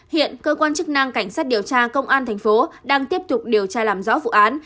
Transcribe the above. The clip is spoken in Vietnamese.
hiện cơ quan chức năng cảnh sát điều tra công an thành phố đang tiếp tục điều tra làm rõ vụ án